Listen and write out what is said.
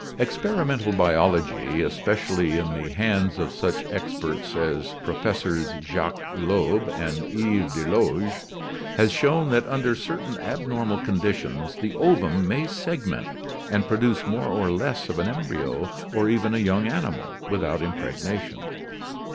— Experimental biology, especially in the hands of such experts as Professors Jacques Loeb and Yves Delage, has shown that under certain abnormal conditions the ovum may segment and produce more or less of an embryo or even a young animal without impregnation.